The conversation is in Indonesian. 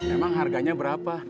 emang harganya berapa